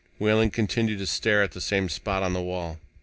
Wehling continued to stare at the same spot on the wall.